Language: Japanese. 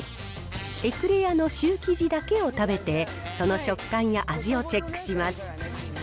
エクレアのシュー生地だけを食べて、その食感や味をチェックします。